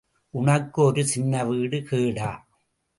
உனக்கு ஒரு சின்னவீடு கேடா!